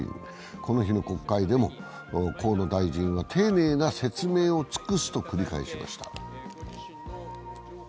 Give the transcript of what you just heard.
この日の国会でも、河野大臣は丁寧な説明を尽くすと繰り返しました。